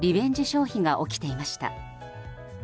消費が起きていました。